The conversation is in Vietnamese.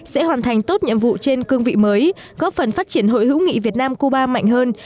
sẽ hoàn thành tốt nhiệm vụ trên cương vị mới góp phần phát triển hội hữu nghị việt nam cuba mạnh hơn